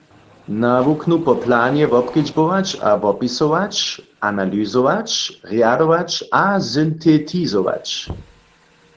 Nawuknu po planje wobkedźbować a wopisować, analyzować, rjadować a syntetizować.